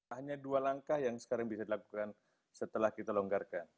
hanya dua langkah yang sekarang bisa dilakukan setelah kita longgarkan